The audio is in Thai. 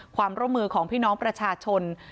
ความร่วมมือของพี่น้องประชาชน